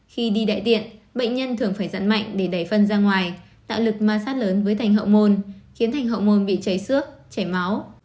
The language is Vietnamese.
khi đi đại tiện bệnh nhân thường phải giặn mạnh để đẩy phân ra ngoài tạo lực ma sát lớn với thành hậu môn khiến thành hậu môn bị cháy xước chảy máu